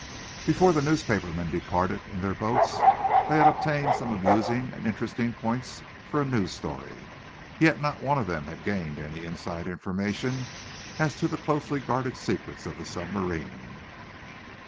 Before the newspaper men departed in their boats they had obtained some amusing and interesting points for a news "story." Yet not one of them had gained any inside information as to the closely guarded secrets of the submarine.